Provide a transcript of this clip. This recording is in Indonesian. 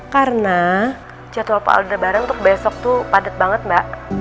karena jadwal pak aldebaran untuk besok tuh padet banget mba